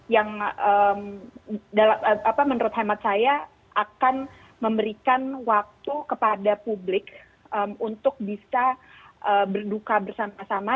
yang menurut hemat saya akan memberikan waktu kepada publik untuk bisa berduka bersama sama